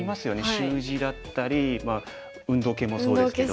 習字だったり運動系もそうですけど。